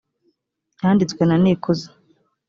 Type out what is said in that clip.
cyanditswe na nikuze